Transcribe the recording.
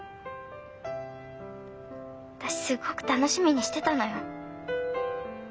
私すっごく楽しみにしてたのよ。